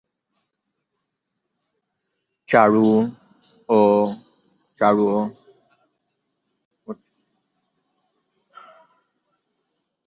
চারু ও কারুকলায় অসামান্য অবদানের স্বীকৃতিস্বরূপ দেশ-বিদেশে অনেক পুরস্কার লাভ করেন শিল্পী শাহাবুদ্দিন আহমেদ।